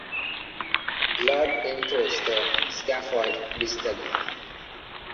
Blood enters the scaphoid distally.